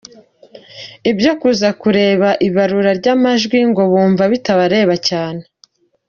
Ibyo kuza kureba ibarura ry’amajwi ngo bumva bitabareba cyane.